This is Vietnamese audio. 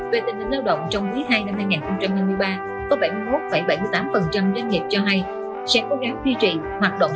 về tình hình lao động trong quý ii năm hai nghìn hai mươi ba có bảy mươi một bảy mươi tám doanh nghiệp cho hay sẽ cố gắng duy trì hoạt động